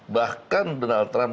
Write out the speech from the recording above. bahkan donald trump